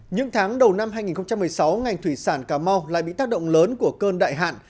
những tháng đầu năm hai nghìn một mươi sáu ngành thủy sản cà mau lại bị tác động lớn của cơn đại hạn